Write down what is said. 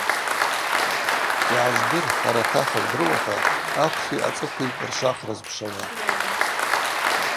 Йгӏажвдыр, арат ахыгӏв дрыуата ахвши ацӏыкви ршвахра зквшвауа.